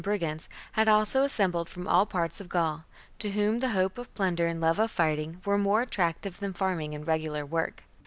c. brigands had also assembled from all parts of Gaul, to whom the hope of plunder and love of fighting were more attractive than farming and regular work.